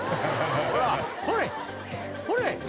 ほらほれほれ！